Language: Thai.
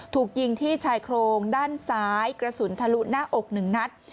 ถูกยิงที่ชายโครงด้านซ้ายกระสุนทะลุหน้าอกหนึ่งนัด